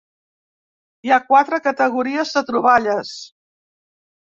Hi ha quatre categories de troballes.